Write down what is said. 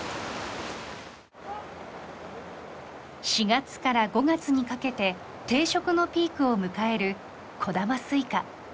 ４月から５月にかけて定植のピークを迎える小玉スイカ。